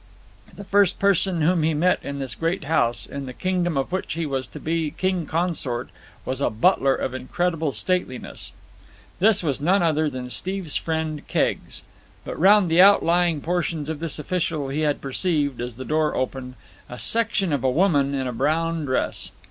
The first person whom he met in this great house, in the kingdom of which he was to be king consort, was a butler of incredible stateliness. This was none other than Steve's friend Keggs. But round the outlying portions of this official he had perceived, as the door opened, a section of a woman in a brown dress.